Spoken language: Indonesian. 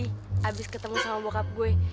habis ketemu sama bokap gue